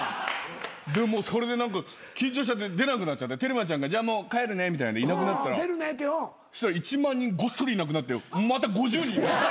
でそれで何か緊張しちゃって出なくなっちゃってテルマちゃんがじゃあもう帰るねみたいのでいなくなったら１万人ごっそりいなくなってまた５０人。